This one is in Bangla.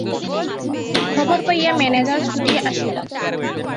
খবর পাইয়া ম্যানেজার ছুটিয়া আসিল।